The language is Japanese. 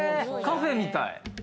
カフェみたい。